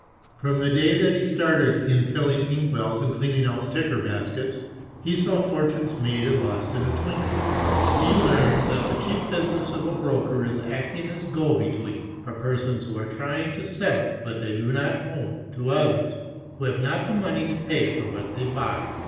From the day that he started in filling inkwells and cleaning out ticker baskets, he saw fortunes made and lost in a twinkling. He learned that the chief business of a broker is acting as go between for persons who are trying to sell what they do not own to others who have not the money to pay for what they buy.